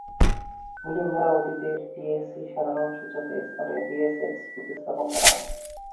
ভুলে ভরা অতীতের ডিএসই সাধারণ সূচকের স্থলে ডিএসইএক্স প্রতিস্থাপন করা হয়।